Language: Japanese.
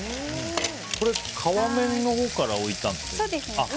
これ皮面のほうから置いたんですか？